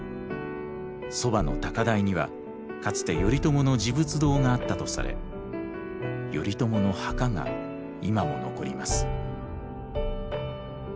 そばの高台にはかつて頼朝の持仏堂があったとされ頼朝の墓が今も残ります。